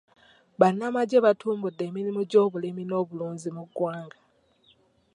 Bannamagye batumbudde emirimu gy'obulimi n'obulunzi mu ggwanga.